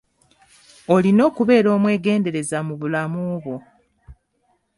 Olina okubeera omwegendereza mu bulamu bwo.